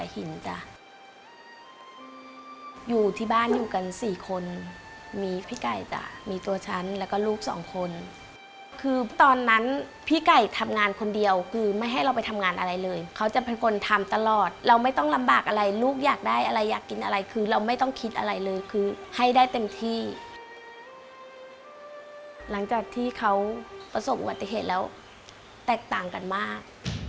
หลังจากที่เขาประสบกวัติเหตุแล้วแตกต่างกันมาก